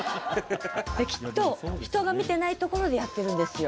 きっと人が見てないところでやってるんですよ。